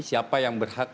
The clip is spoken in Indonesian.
siapa yang berhak